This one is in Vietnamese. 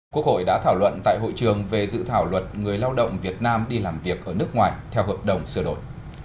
quốc hội đã thảo luận tại hội trường về dự thảo luật người lao động việt nam đi làm việc ở nước ngoài theo hợp đồng sửa đổi